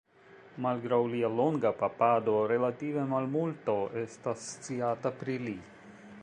Malgraŭ lia longa papado relative malmulto estas sciata pri li.